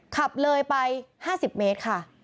ขับเลยไป๕๐เมตรค่ะ